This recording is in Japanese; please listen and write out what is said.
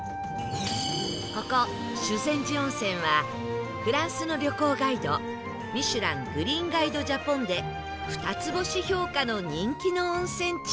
ここ修善寺温泉はフランスの旅行ガイド『ミシュラン・グリーンガイド・ジャポン』で二つ星評価の人気の温泉地